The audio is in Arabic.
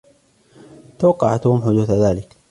توقع توم حدوث ذلك.